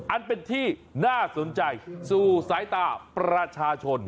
อันเป็นที่น่าสนใจสู่สายตาประชาชน